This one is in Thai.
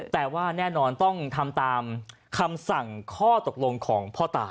แต่ว่าแน่นอนต้องทำตามคำสั่งข้อตกลงของพ่อตา